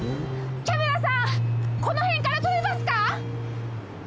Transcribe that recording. キャメラさんこの辺から撮れますか？